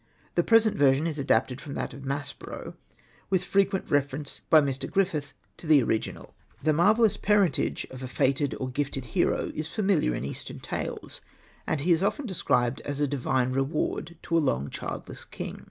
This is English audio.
The present version is adapted from that of Maspero, with frequent reference by Mr. Griffith to the original. The marvellous parentage of a fated or gifted hero is familiar in Eastern tales, and he is often described as a divine reward to a long childJess king.